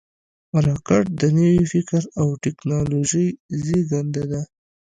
راکټ د نوي فکر او ټېکنالوژۍ زیږنده ده